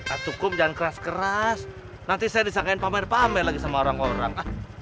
ah atuh kum jangan keras keras nanti saya disangkaian pamer pamer lagi sama orang orang